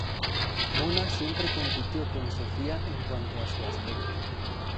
Mona siempre compitió con Sofía en cuanto a su aspecto.